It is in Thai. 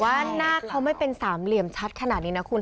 ว่าหน้าเขาไม่เป็นสามเหลี่ยมชัดขนาดนี้นะคุณ